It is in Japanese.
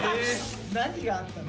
何があったんだ。